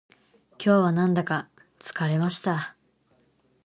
今日はなんだか疲れました